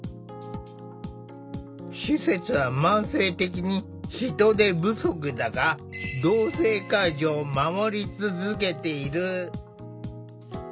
施設は慢性的に人手不足だが同性介助を守り続けている。